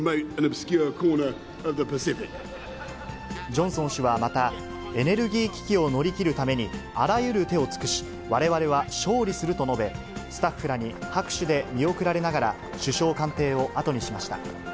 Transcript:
ジョンソン氏はまた、エネルギー危機を乗り切るために、あらゆる手を尽くし、われわれは勝利すると述べ、スタッフらに拍手で見送られながら首相官邸を後にしました。